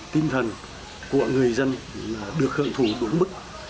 tinh thần của người dân được hưởng thủ đúng mức